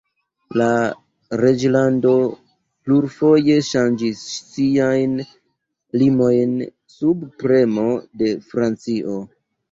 La reĝlando plurfoje ŝanĝis siajn limojn, sub premo de Francio.